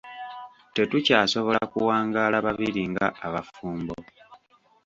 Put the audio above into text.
Tetukyasobola kuwangaala babiri nga abafumbo.